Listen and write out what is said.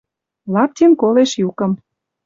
Лаптин колеш юкым.